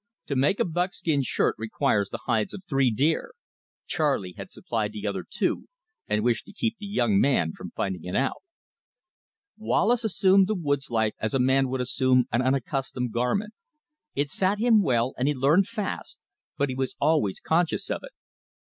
To make a buckskin shirt requires the hides of three deer. Charley had supplied the other two, and wished to keep the young man from finding it out. Wallace assumed the woods life as a man would assume an unaccustomed garment. It sat him well, and he learned fast, but he was always conscious of it.